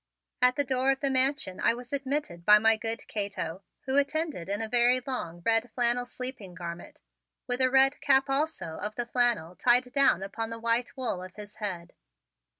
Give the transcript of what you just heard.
At the door of the Mansion I was admitted by my good Cato, who was attired in a very long red flannel sleeping garment, with a red cap also of the flannel tied down upon the white wool of his head.